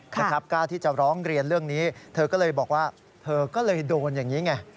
นะครับกล้าที่จะร้องเรียนเรื่องนี้เธอก็เลยบอกว่าเธอก็เลยโดนอย่างนี้ไง